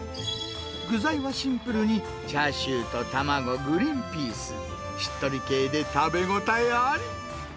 具材はシンプルに、チャーシューと卵、グリーンピース、しっとり系で食べ応えあり。